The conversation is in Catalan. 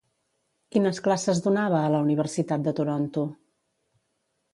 Quines classes donava a la Universitat de Toronto?